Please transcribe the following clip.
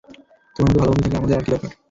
তোমার মতো ভালো বন্ধু থাকলে আমাদের আর কী দরকার?